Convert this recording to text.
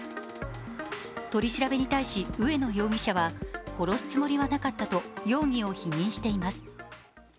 取り調べに対し上野容疑者は殺すつもりはなかったと容疑を否認しています。